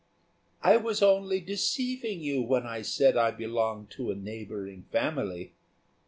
"I was only deceiving you when I said I belonged to a neighbouring family.